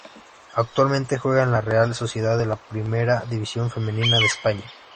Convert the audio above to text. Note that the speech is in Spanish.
Actualmente juega en la Real Sociedad de la Primera División Femenina de España.